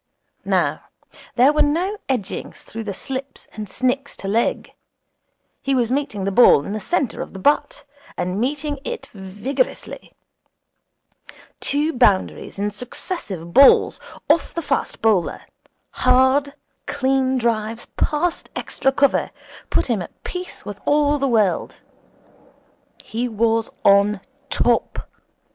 Now there were no edgings through the slips and snicks to leg. He was meeting the ball in the centre of the bat, and meeting it vigorously. Two boundaries in successive balls off the fast bowler, hard, clean drives past extra cover, put him at peace with all the world. He was on top.